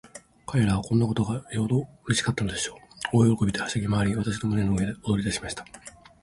彼等はこんなことがよほどうれしかったのでしょう。大喜びで、はしゃぎまわり、私の胸の上で踊りだしました。